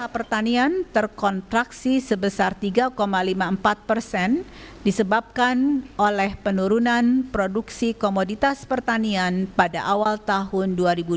pertanian terkontraksi sebesar tiga lima puluh empat persen disebabkan oleh penurunan produksi komoditas pertanian pada awal tahun dua ribu dua puluh